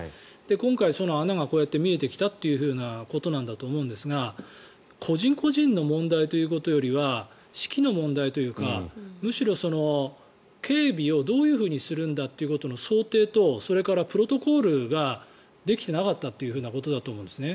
今回、その穴がこうやって見えてきたということなんだと思うんですが個人個人の問題ということよりは指揮の問題というかむしろ、警備をどういうふうにするんだということの想定とそれとプロトコルができていなかったということだと思うんですね。